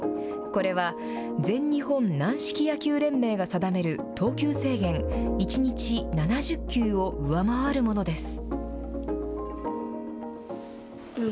これは、全日本軟式野球連盟が定める投球制限、１日７０球を上回るものです。